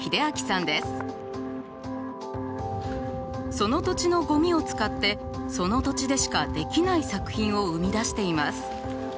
その土地のゴミを使ってその土地でしかできない作品を生み出しています。